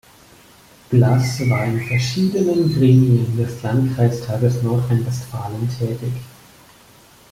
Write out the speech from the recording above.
Blass war in verschiedenen Gremien des Landkreistages Nordrhein-Westfalen tätig.